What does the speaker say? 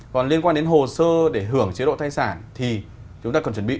còn liên quan đến hồ sơ để hưởng chế độ thai sản thì chúng ta cần chuẩn bị